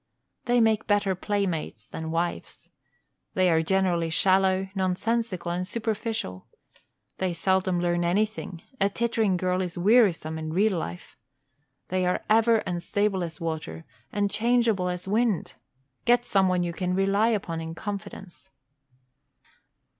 They make better playmates than wives. They are generally shallow, nonsensical, and superficial. They seldom learn anything; a tittering girl is wearisome in real life. They are ever unstable as water and changeable as wind; get some one that you can rely upon in confidence.